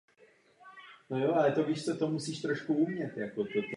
V témže roce se dostali do konfliktu se svými příbuznými Góty.